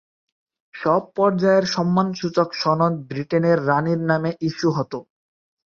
সব পর্যায়ের সম্মানসূচক সনদ ব্রিটেনের রানীর নামে ইস্যু হতো।